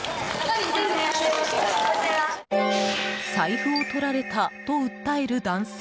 財布をとられたと訴える男性。